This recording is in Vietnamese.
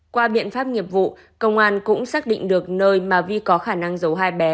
qua biện pháp nghiệp vụ công an cũng xác định được nơi mà vi có khả năng giấu hai bé